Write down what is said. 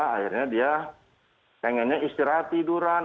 akhirnya dia pengennya istirahat tiduran